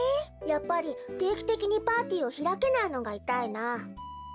やっぱりていきてきにパーティーをひらけないのがいたいな。